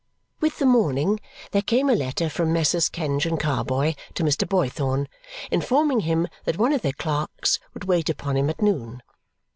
With the morning there came a letter from Messrs. Kenge and Carboy to Mr. Boythorn informing him that one of their clerks would wait upon him at noon.